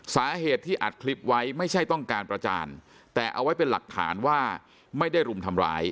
สาเหตุที่อัดคลิปไว้ไม่ใช่ต้องการประจานแต่เอาไว้เป็นหลักฐานว่าไม่ได้รุมทำร้าย